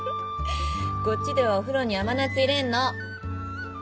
こっちではお風呂に甘夏入れんの。